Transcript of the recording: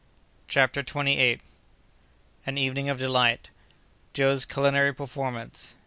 CHAPTER TWENTY EIGHTH. An Evening of Delight.—Joe's Culinary Performance.